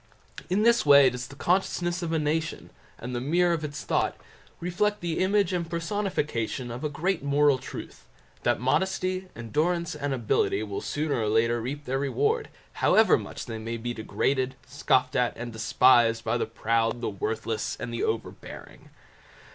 In this way does the consciousness of a nation, and the mirror of its thought, reflect the image and personification of a great moral truth, that modesty, endurance, and ability will sooner or later reap their reward, however much they maybe degraded, scoffed at, and despised by the proud, the worthless, and the overbearing.